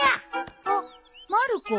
あっまる子。